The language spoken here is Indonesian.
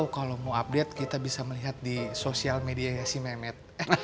kalau mau update kita bisa melihat di sosial media ya si memad